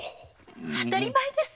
当たり前です。